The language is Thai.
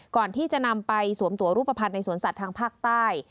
ก่อนที่จะนำไปสวมตัวรูปภัณฑ์ในสวนสัตว์ทางภาคใต้